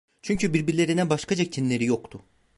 Çünkü birbirlerine başkaca kinleri yoktu.